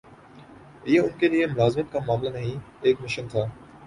یہ ان کے لیے ملازمت کا معاملہ نہیں، ایک مشن تھا۔